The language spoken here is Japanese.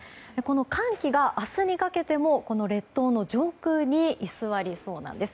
寒気が明日にかけても列島の上空に居座りそうなんです。